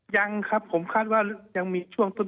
ยังครับผมคาดว่ายังมีช่วงต้น